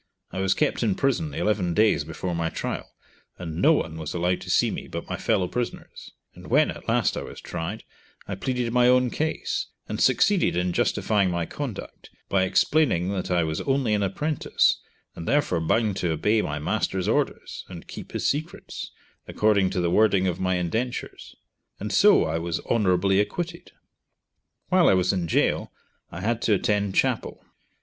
I was kept in prison eleven days before my trial, and no one was allowed to see me but my fellow prisoners, and when at last I was tried, I pleaded my own case, and succeeded in justifying my conduct by explaining that I was only an apprentice, and therefore bound to obey my master's orders, and keep his secrets, according to the wording of my indentures, and so I was honourably acquitted. While I was in gaol I had to attend chapel.